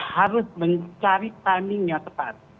harus mencari timingnya tepat